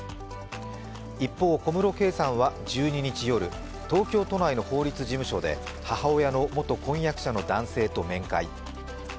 一方、小室圭さんは１２日夜、東京都内の法律事務所で母親の元婚約者の男性と面会。